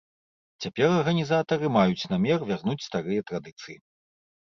Цяпер арганізатары маюць намер вярнуць старыя традыцыі.